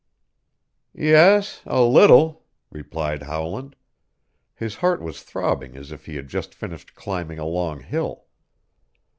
"Yes, a little," replied Howland. His heart was throbbing as if he had just finished climbing a long hill.